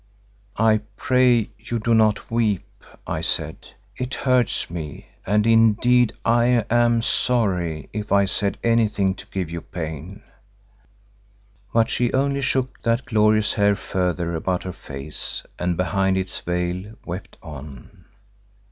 "I pray you, do not weep," I said; "it hurts me and indeed I am sorry if I said anything to give you pain." But she only shook that glorious hair further about her face and behind its veil wept on.